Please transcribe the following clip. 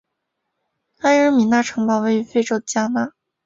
埃尔米纳城堡位于非洲的加纳。